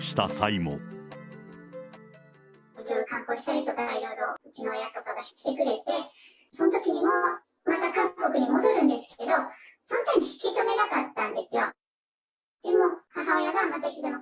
いろいろ観光したりとか、いろいろうちの親とかがしてくれて、そのときにも、また韓国に戻るんですけど、そんなに引き留めなかったんですよ。